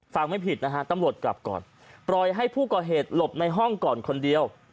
ไม่ผิดนะฮะตำรวจกลับก่อนปล่อยให้ผู้ก่อเหตุหลบในห้องก่อนคนเดียว